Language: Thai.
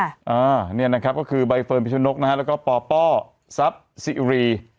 อ่านี่นะครับก็คือใบเฟิร์นพิชโนกนะครับแล้วก็ป่อป้อซับสิรี